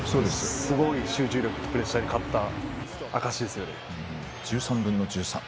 すごい集中力でプレッシャーに勝った証しですね。